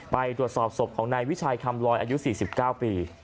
ไปตรวจสอบศพของนายวิชัยคำลอยอายุ๔๙ปี